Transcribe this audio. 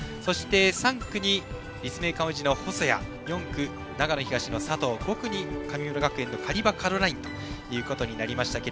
３区に立命館宇治の細谷４区、長野東の佐藤５区に神村学園のカリバ・カロラインとなりました。